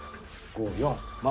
５４。